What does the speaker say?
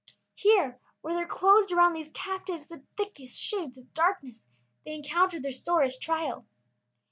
Here, where there closed around these captives the thickest shades of darkness, they encountered their sorest trial.